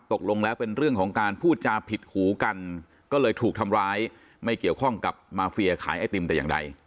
ตกลงแล้วเป็นเรื่องของการพูดจาผิดหูกันก็เลยถูกทำร้ายไม่เกี่ยวข้องกับมาเฟียขายไอติมแต่อย่างใด